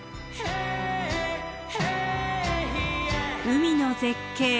海の絶景